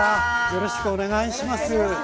よろしくお願いします。